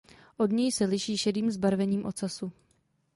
Od něj se liší šedým zbarvením ocasu.